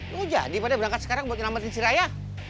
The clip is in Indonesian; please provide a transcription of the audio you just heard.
lu jadi pada berangkat sekarang buat nyelamatin si raya